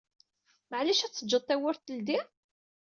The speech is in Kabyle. Meɛlic ad teǧǧeḍ tawwurt teldi?